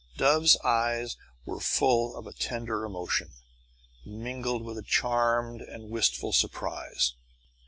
Dove's eyes were full of a tender emotion, mingled with a charmed and wistful surprise.